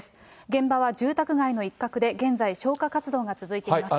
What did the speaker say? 現場は住宅街の一角で、現在、消火活動が続いています。